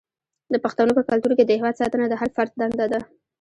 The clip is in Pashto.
د پښتنو په کلتور کې د هیواد ساتنه د هر فرد دنده ده.